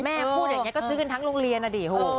แม่พูดอย่างนี้ก็ซื้นทั้งโรงเรียนอ่ะดิ